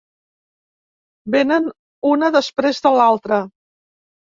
Vénen una després de l'altra.